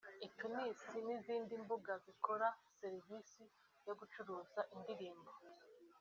Itunes n’izindi mbuga zikora serivisi yo gucuruza indirimbo